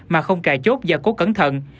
mà không cài chốt và cố cẩn thận